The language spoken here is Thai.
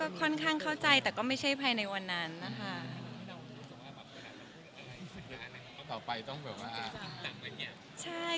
ก็ค่อนข้างเข้าใจแต่ก็ไม่ใช่ภายในวันนั้นนะคะ